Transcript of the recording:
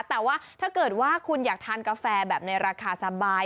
แต่ว่าถ้าเกิดว่าคุณอยากทานกาแฟแบบในราคาสบาย